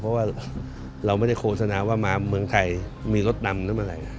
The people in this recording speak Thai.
เพราะว่าเราไม่ได้โฆษณาว่ามาเมืองไทยมีรถนำหรือเมื่อไหร่